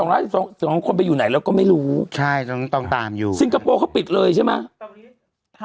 แล้ว๒๕๒คนไปอยู่ไหนเราก็ไม่รู้ซิงคโปรเขาปิดเลยใช่ไหม